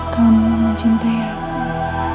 kau mau mencintai aku